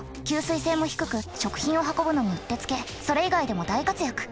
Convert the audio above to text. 吸水性も低く食品を運ぶのにうってつけそれ以外でも大活躍。